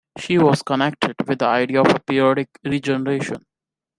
She was connected with the idea of a periodic regeneration.